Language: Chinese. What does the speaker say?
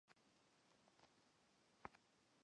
马尔库。